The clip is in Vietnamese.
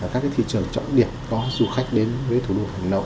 các thị trường trọng điểm có du khách đến với thủ đô hà nội